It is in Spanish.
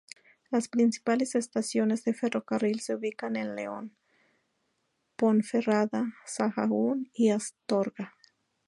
Las principales estaciones de ferrocarril se ubican en León, Ponferrada, Sahagún y Astorga.